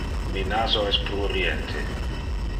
Mi naso es pruriente.